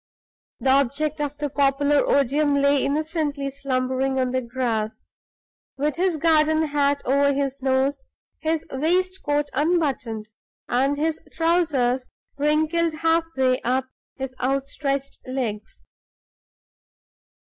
The object of the popular odium lay innocently slumbering on the grass, with his garden hat over his nose, his waistcoat unbuttoned, and his trousers wrinkled half way up his outstretched legs.